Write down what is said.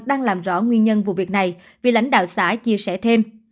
đang làm rõ nguyên nhân vụ việc này vì lãnh đạo xã chia sẻ thêm